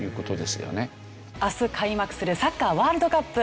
明日開幕するサッカーワールドカップ。